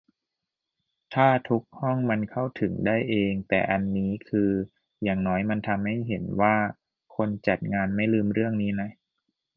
ถ้าทุกห้องมันเข้าถึงได้เอง แต่อันนี้คืออย่างน้อยมันทำให้เห็นว่า คนจัดงานไม่ลืมเรื่องนี้นะ